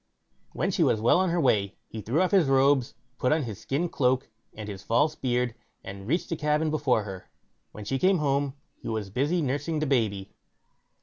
When she was well on her way, he threw off his robes, put on his skin cloak, and his false beard, and reached the cabin before her. When she came home, he was busy nursing the baby.